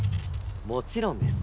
もちろんです！